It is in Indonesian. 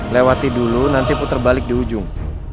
lewati dulu nanti puter balik di ujung